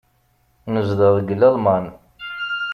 Nezdeɣ deg Lalman.